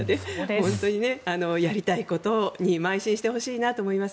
本当にやりたいことにまい進してほしいなと思います。